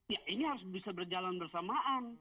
ya ini harus bisa berjalan bersamaan